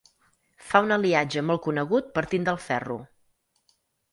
Fa un aliatge molt conegut partint del ferro.